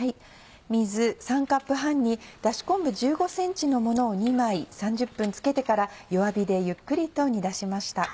水３カップ半にダシ昆布１５ｃｍのものを２枚３０分つけてから弱火でゆっくりと煮出しました。